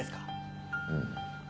「うん。